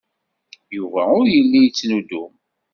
Yuba ur yelli yettnuddum.